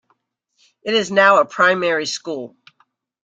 It is now a primary school.